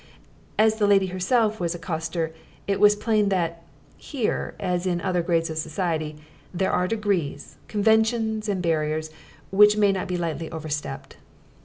As the lady was herself a coster, it was plain that here, as in other grades of society, there are degrees, conventions and barriers which may not be lightly overstepped.